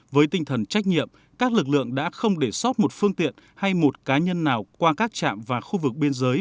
với tinh thần trách nhiệm các lực lượng đã không để sót một phương tiện hay một cá nhân nào qua các trạm và khu vực biên giới